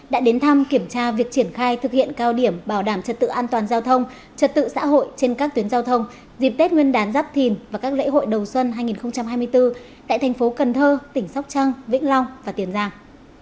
đã đến thăm kiểm tra việc triển khai thực hiện cao điểm bảo đảm trật tự an toàn giao thông trật tự xã hội trên các tuyến giao thông dịp tết nguyên đán giáp thìn và các lễ hội đầu xuân hai nghìn hai mươi bốn tại thành phố cần thơ tỉnh sóc trăng vĩnh long và tiền giang